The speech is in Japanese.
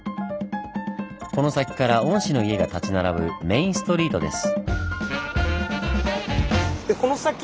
この先から御師の家が立ち並ぶメインストリートです。